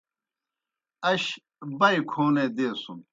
اش بئی کھونے دیسُن۔